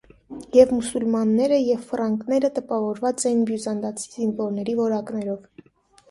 Եվ մուսուլմանները, և ֆրանկները տպավորված էին բյուզանդացի զինվորների որակներով։